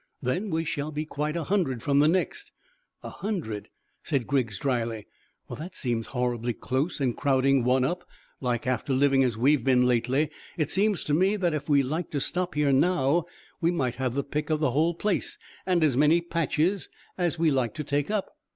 "Then we shall be quite a hundred from the next." "A hundred," said Griggs dryly. "Well, that seems horribly close and crowding one up like after living as we've been lately. It seems to me that if we liked to stop here now we might have the pick of the whole place, and as many patches as we like to take up."